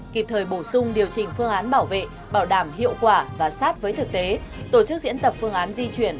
kịp thời bổ sung điều chỉnh phương án bảo vệ bảo đảm hiệu quả và sát với thực tế tổ chức diễn tập phương án di chuyển